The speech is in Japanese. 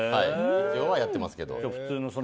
基本はやってますけど。